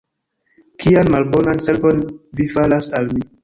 Kian malbonan servon vi faras al mi!